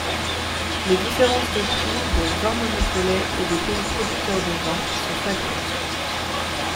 Les différences de prix de Vinmonopolet et des pays producteurs de vins sont flagrantes.